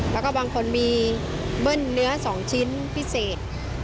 แล้วก็บางคนมีเบิ้ลเนื้อ๒ชิ้นพิเศษ